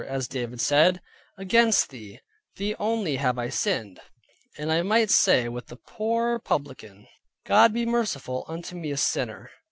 As David said, "Against thee, thee only have I sinned": and I might say with the poor publican, "God be merciful unto me a sinner."